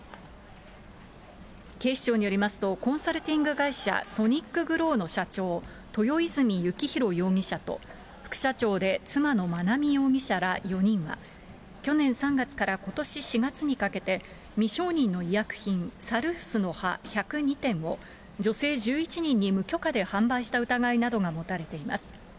警視庁によりますと、コンサルティング会社、ソニックぐろうの社長、豊泉ゆきひろ容疑者と副社長で妻のまなみ容疑者ら４人が、去年３月からことし４月にかけて未承認の医薬品サルースの葉１０２点を女性１１人に無許可で販売した疑いなどが持たれています。